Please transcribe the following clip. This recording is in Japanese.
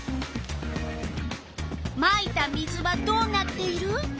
まいた水はどうなっている？